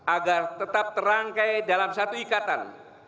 agar tetap terangkai dalam satu ikatan